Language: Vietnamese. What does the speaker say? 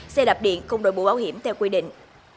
xe đạp điện không đổi mũ bảo hiểm theo quy định